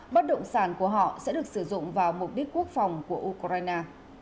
bất động sản của họ sẽ được sử dụng vào mục đích quốc phòng của ukraine